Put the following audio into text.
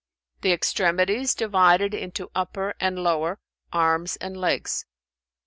The extremities divided into upper and lower, arms and legs.